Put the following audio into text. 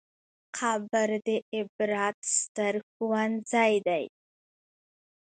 قبر د عبرت ستر ښوونځی دی.